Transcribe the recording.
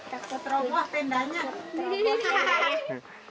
takut roh roh tendanya